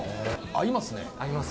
合いますね。